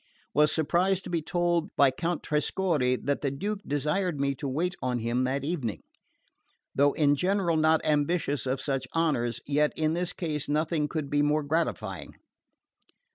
Was surprised to be told by Count Trescorre that the Duke desired me to wait on him that evening. Though in general not ambitious of such honours, yet in this case nothing could be more gratifying.